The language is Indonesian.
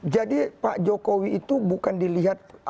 pak jokowi itu bukan dilihat